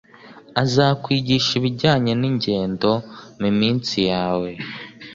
azakwigisha ibijyanye ningendo muminsi yawe